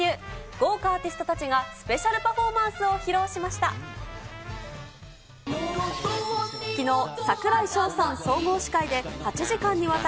豪華アーティストたちがスペシャルパフォーマンスを披露しました。